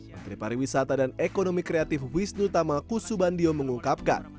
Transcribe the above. menteri pariwisata dan ekonomi kreatif wisnu tama kusubandio mengungkapkan